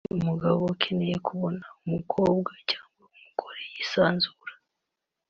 Ati “Umugabo akeneye kubona umukobwa cyangwa umugore yisanzura